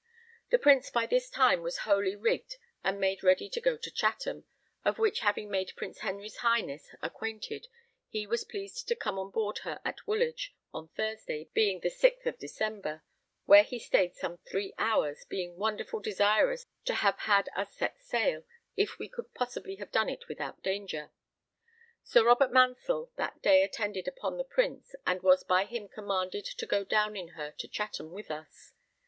The Prince by this time was wholly rigged and made ready to go to Chatham, of which having made Prince Henry's Highness acquainted, he was pleased to come on board her at Woolwich on Thursday, being the 6th December, where he stayed some 3 hours, being wonderful desirous to [have] had us set sail, if we could possibly have done it without danger. Sir Robert Mansell that day attended upon the Prince, and was by him commanded to go down in her to Chatham with us.